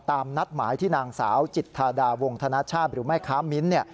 ตามนัดหมายที่นางสาวจิตธาดาวงธนชาติหรือแม่ค้ามิ้นท์เนี่ย